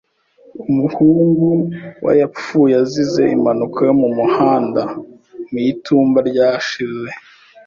Umuhungu wa yapfuye azize impanuka yo mu muhanda mu itumba ryashize.